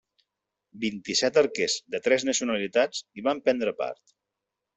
Vint-i-set arquers de tres nacionalitats hi van prendre part.